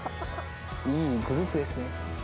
いいグループですね。